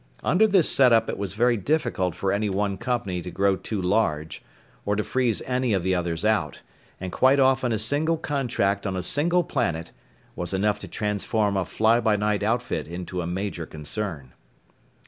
Under this setup it was very difficult for any one company to grow too large, or to freeze any of the others out, and quite often a single contract on a single planet was enough to transform a fly by night outfit into a major concern.